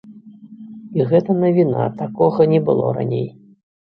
І гэта навіна, такога не было раней.